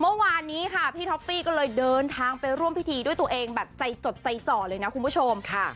เมื่อวานนี้ค่ะพี่ท็อปฟี่ก็เลยเดินทางไปร่วมพิธีด้วยตัวเองแบบใจจดใจจ่อเลยนะคุณผู้ชม